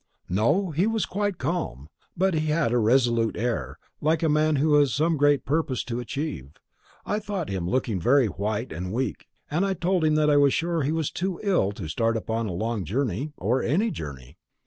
"No; he was quite calm; but he had a resolute air, like a man who has some great purpose to achieve. I thought him looking very white and weak, and told him that I was sure he was too ill to start upon a long journey, or any journey.